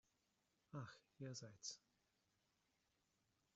Ach, ihr seid's!